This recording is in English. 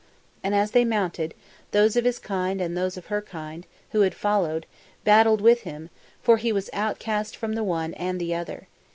"And as they mounted, those of his kind and those of her kind, who had followed, battled with him, for he was outcast from the one and the other.